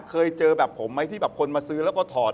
เคยเจอแบบผมไหมที่แบบคนมาซื้อแล้วก็ถอด